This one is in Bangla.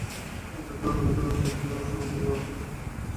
আমি তৎক্ষণাৎ মডেল থানার ওসিকে ফোন দেওয়ার সময় গুলির আওয়াজ শুনতে পাই।